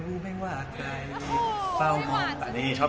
รู้อายุพิธีกรด้วย